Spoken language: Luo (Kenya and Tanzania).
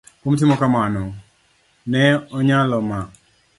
Kuom timo kamano, ne onyalo ma